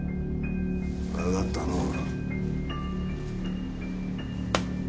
分かったのう。